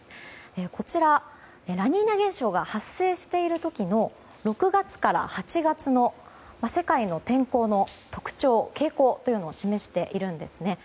こちら、ラニーニャ現象が発生している時の６月から８月の世界の天候の特徴傾向というのを示しているんです。